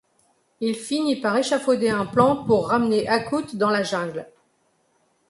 Il finit par échafauder un plan pour ramener Akut dans la jungle.